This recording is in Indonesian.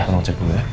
tolong cek dulu ya